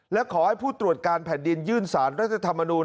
และขอให้ผู้ตรวจการแผ่นดินยื่นสารรัฐธรรมนูล